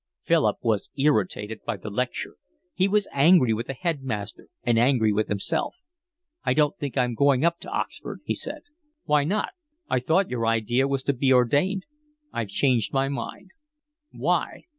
Philip was irritated by the lecture. He was angry with the headmaster, and angry with himself. "I don't think I'm going up to Oxford," he said. "Why not? I thought your idea was to be ordained." "I've changed my mind." "Why?"